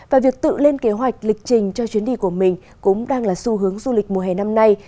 và việc tự lên kế hoạch lịch trình cho chuyến đi của mình cũng đang là xu hướng du lịch mùa hè năm nay